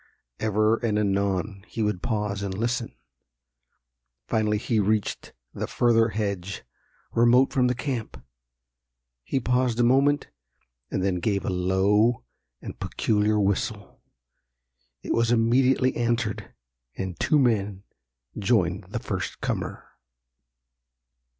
Ever and anon he would pause and listen. Finally he reached the further hedge, remote from the camp. He paused a moment, and then gave a low and peculiar whistle. It was immediately answered, and two men joined the first comer.